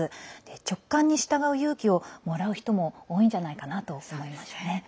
直感に従う勇気をもらう人も多いんじゃないかなと思いましたね。